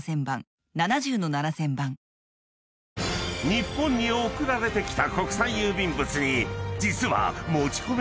［日本に送られてきた］